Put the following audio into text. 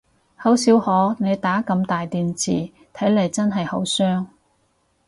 好少可你打咁大段字，睇嚟真係好傷